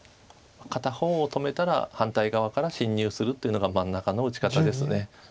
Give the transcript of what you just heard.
片方を止めたら反対側から侵入するというのが真ん中の打ち方です。